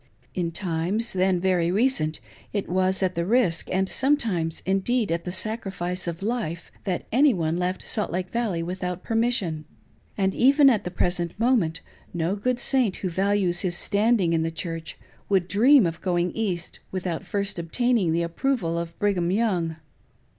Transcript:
In times, then very recent, it was at the risk, and sometimes, indeed, at the sacri fice, of life, that any one left Salt Lake Valley without permis sion ; and even at the present moment no good Saint who values his standing in the Church would dream of going East without first obtaining the approval of Brigham Young.